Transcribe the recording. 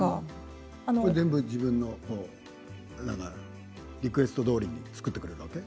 自分のリクエストどおりに作ってくれるわけ？